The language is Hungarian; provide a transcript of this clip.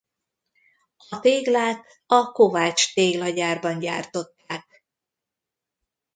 A téglát a Kovács-téglagyárban gyártották.